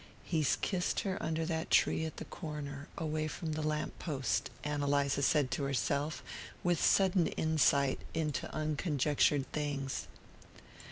"He's kissed her under that tree at the corner, away from the lamp post," Ann Eliza said to herself, with sudden insight into unconjectured things.